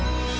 gak tahu kok